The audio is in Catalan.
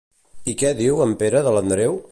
I què diu en Pere de l'Andreu?